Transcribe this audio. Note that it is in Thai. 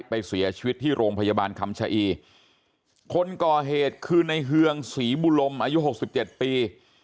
ไปเสียชีวิตที่โรงพยาบาลคำชะอีคนก่อเหตุคือในเฮืองศรีบุลมอายุหกสิบเจ็ดปี